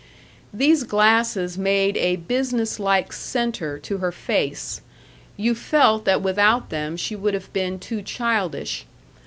These glasses made a business like center to her face; you felt that without them she would have been too childish.